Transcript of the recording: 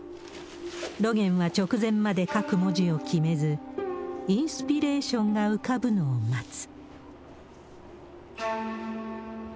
露巌は直前まで書く文字を決めず、インスピレーションが浮かぶのを待つ。